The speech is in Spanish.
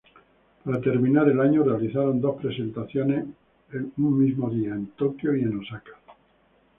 Para terminar el año, realizaron dos presentaciones un mismo día en Tokio y Osaka.